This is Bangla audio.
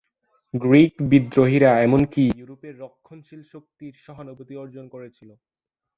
গ্রিক বিদ্রোহীরা এমনকি ইউরোপের রক্ষণশীল শক্তির সহানুভূতি অর্জন করেছিল।